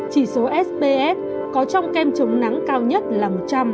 chỉ số sps có trong kem chống nắng cao nhất là một trăm linh